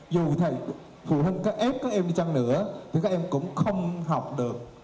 dù thầy phụ huynh các ép các em đi chăng nữa thì các em cũng không học được